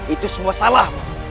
itu semua salahmu